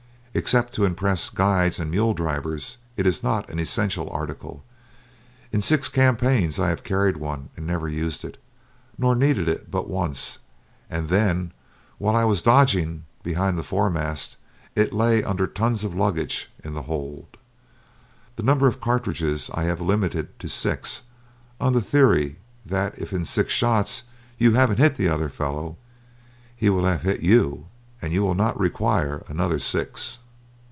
Except to impress guides and mule drivers, it is not an essential article. In six campaigns I have carried one, and never used it, nor needed it but once, and then while I was dodging behind the foremast it lay under tons of luggage in the hold. The number of cartridges I have limited to six, on the theory that if in six shots you haven't hit the other fellow, he will have hit you, and you will not require another six.